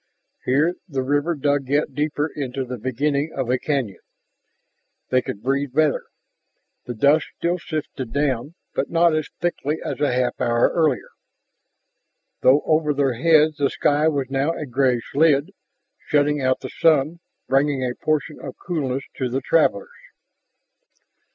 Here the river dug yet deeper into the beginning of a canyon. They could breathe better. The dust still sifted down but not as thickly as a half hour earlier. Though over their heads the sky was now a grayish lid, shutting out the sun, bringing a portion of coolness to the travelers.